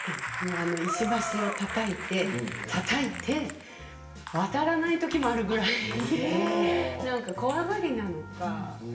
石橋をたたいてたたいて渡らないときもあるぐらい怖がりなのか